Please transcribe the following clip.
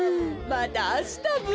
またあしたブ。